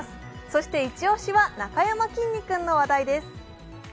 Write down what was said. そしてイチ押しはなかやまきんに君の話題です。